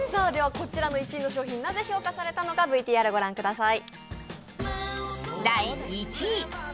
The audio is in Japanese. こちらの１位の商品、なぜ評価されたのかＶＴＲ御覧ください。